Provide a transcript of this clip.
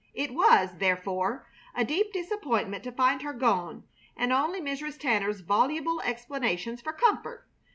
It was, therefore, a deep disappointment to find her gone and only Mrs. Tanner's voluble explanations for comfort.